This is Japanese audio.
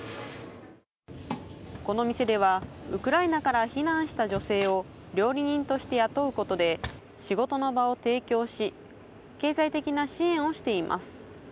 この店では、ウクライナから避難してきた女性を料理人として雇うことで、仕事の場を提供し、経済的な支援をしています。